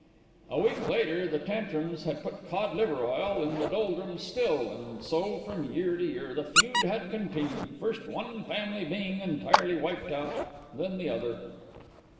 A week later the Tantrums had put Cod Liver Oil in the Doldrums' still, and so, from year to year, the feud had continued, first one family being entirely wiped out, then the other.